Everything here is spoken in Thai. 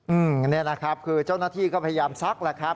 อืมนี่แหละครับคือเจ้าหน้าที่ก็พยายามซักแล้วครับ